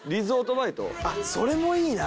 あっそれもいいな。